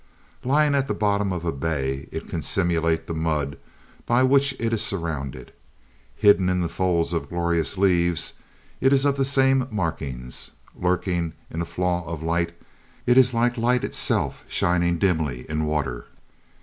Lying at the bottom of a bay, it can simulate the mud by which it is surrounded. Hidden in the folds of glorious leaves, it is of the same markings. Lurking in a flaw of light, it is like the light itself shining dimly in water.